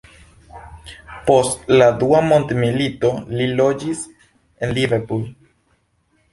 Post la dua mondmilito li loĝis en Liverpool.